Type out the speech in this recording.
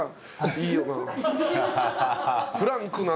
いいよね。